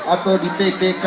atau di ppk ppk